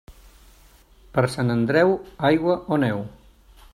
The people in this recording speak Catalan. Per Sant Andreu, aigua o neu.